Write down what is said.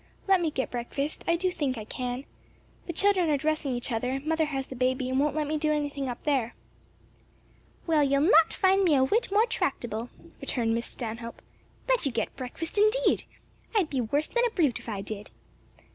Let me get breakfast. I do think I can. The children are dressing each other, mother has the baby and won't let me do anything up there." "Well, you'll not find me a whit more tractable," returned Miss Stanhope. "Let you get breakfast, indeed! I'd be worse than a brute if I did.